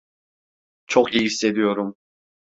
Çok iyi hissediyorum.